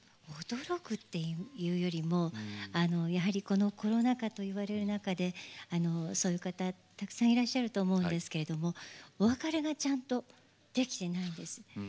驚くっていうよりもやはりこのコロナ禍といわれる中でそういう方たくさんいらっしゃると思うんですけどもお別れがちゃんとできてないですね。